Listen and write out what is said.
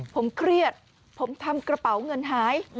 ผมเครียดผมทำกระเป๋าเงินหาย